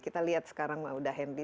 kita lihat sekarang sudah handy